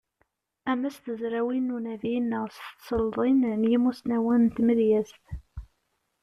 Ama s tezrawin n unadi neɣ s tselḍin n yimussnawen n tmedyazt.